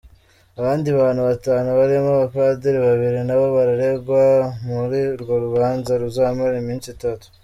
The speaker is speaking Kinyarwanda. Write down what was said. Abandi bantu batanu barimo abapadiri babiri nabo bararegwa muri urwo rubanza ruzamara iminsi itatu.